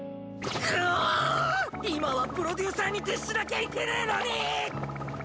今はプロデューサーに徹しなきゃいけねぇのに！